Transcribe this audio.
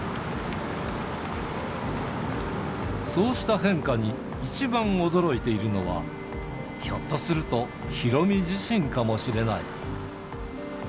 そうした変化に一番驚いているのは、ひょっとするとヒロミ自身かもしれない。